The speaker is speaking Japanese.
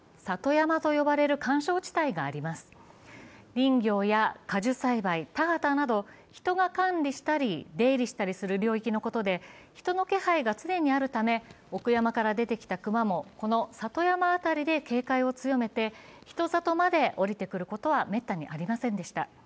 林業や果樹園、田畑など人が管理したり出入りしたりする領域のことで人の気配が常にあるため、奥山から出てきた熊もこの里山辺りで警戒を強めて人里まで下りてくることはめったにありませんでした。